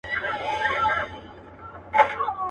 بس د سترګو په یو رپ کي دا شېبه هم نوره نه وي.